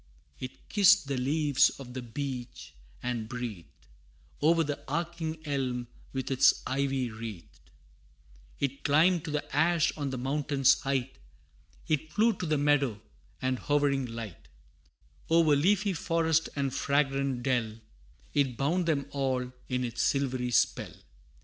It kissed the leaves of the beech, and breathed O'er the arching elm, with its ivy wreathed: It climbed to the ash on the mountain's height It flew to the meadow, and hovering light O'er leafy forest and fragrant dell, It bound them all in its silvery spell.